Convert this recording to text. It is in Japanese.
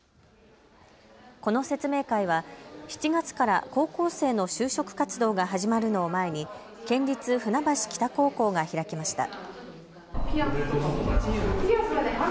この説明会は７月から高校生の就職活動が始まるのを前に県立船橋北高校が開きました。